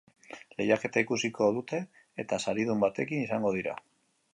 Lehiaketa ikusiko dute eta saridun batekin izango dira.